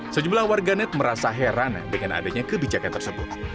sejumlah warganet merasa heran dengan adanya kebijakan tersebut